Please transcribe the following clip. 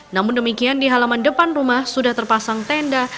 namun demikian di halaman depan rumah sudah terpasang tenda